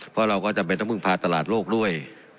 เพราะเราก็จำเป็นต้องพึ่งพาตลาดโลกด้วย